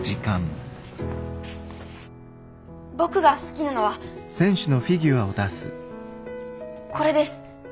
僕が好きなのはこれです。